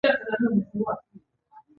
منظور پښتون يو سوله غوښتونکی مبارز دی.